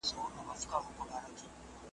له غړومبي د تندر ټوله وېرېدله `